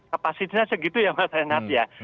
kapasitasnya segitu ya mas renat ya